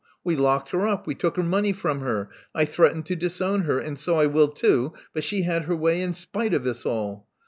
We locked her up; we took her money from her; I threatened to disown her — and so I will too ; but she had her way in spite of us all.